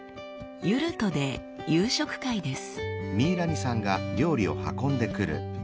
ユルトで夕食会です。